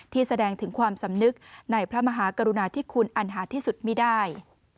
แสดงถึงความสำนึกในพระมหากรุณาธิคุณอันหาที่สุดไม่ได้